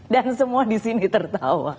dan semua di sini tertawa